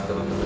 dua nih ya